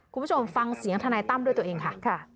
คุณผู้ชมฟังเสียงทนายตั้มด้วยตัวเองค่ะ